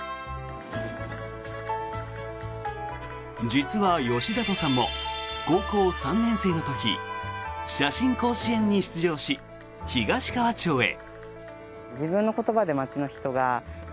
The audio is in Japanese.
実は吉里さんも高校３年生の時写真甲子園に出場し東川町へ。